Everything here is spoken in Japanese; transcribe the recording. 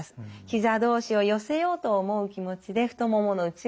ひざ同士を寄せようと思う気持ちで太ももの内側が使えます。